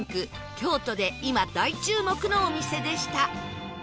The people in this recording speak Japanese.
京都で今大注目のお店でした